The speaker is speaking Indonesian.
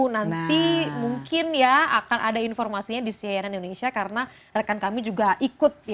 nanti mungkin ya akan ada informasinya di cnn indonesia karena rekan kami juga ikut ya